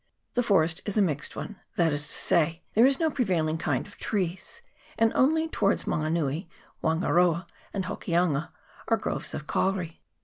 The forest is a mixed one ; that is to say, there is no prevailing kind of trees, and only towards Mango nui, Wan garoa, and Hokianga are groves of kauri.